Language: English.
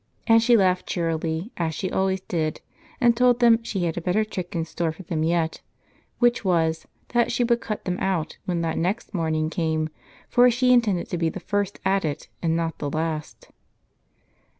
And she laughed cheerily, as she always did, and told them she had a better trick in store for them yet ; which was, that she would cut them out when that next morning came ; for she intended to be the first at it, and not the last.